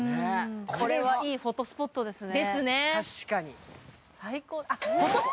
これはいいフォトスポットですね。